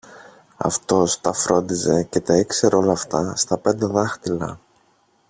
Αυτός τα φρόντιζε και τα ήξερε όλα αυτά στα πέντε δάχτυλα!